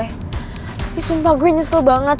tapi sumpah gue nyesel banget